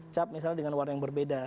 cap misalnya dengan warna yang berbeda